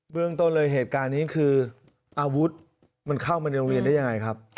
เรื่องต้นเลยเหตุการณ์นี้คืออาวุธมันเข้ามาในโรงเรียนได้ยังไงครับ